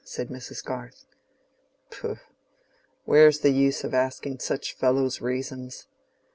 said Mrs. Garth. "Pooh! where's the use of asking for such fellows' reasons?